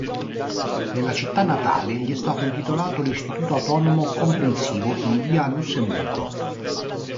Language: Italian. Nella città natale gli è stato intitolato l'Istituto Autonomo Comprensivo in via Lussemburgo".